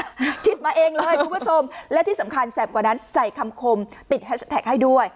คิดมาเองเลยคุณผู้ชมและที่สำคัญแสบกว่านั้นใส่คำคมติดแฮชแท็กให้ด้วย